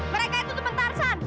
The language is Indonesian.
mereka itu teman tarzan